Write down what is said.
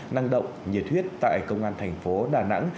năng động nhiệt huyết tại công an thành phố đà nẵng